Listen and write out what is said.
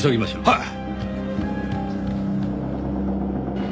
はい！